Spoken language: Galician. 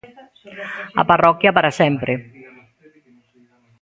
A parroquia para sempre.